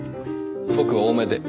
僕多めで。